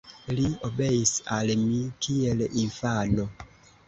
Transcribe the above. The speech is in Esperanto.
Li obeis al mi kiel infano.